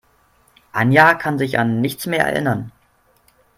Anja kann sich an nichts mehr erinnern.